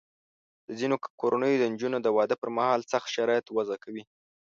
د ځینو کورنیو د نجونو د واده پر مهال سخت شرایط وضع کوي.